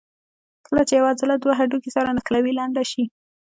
کله چې یوه عضله دوه هډوکي سره نښلوي لنډه شي.